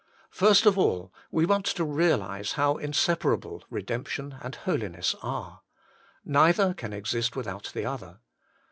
First of all, we want to realize how inseparable redemption and holiness are. Neither can exist without the other.